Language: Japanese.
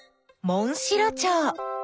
モンシロチョウ。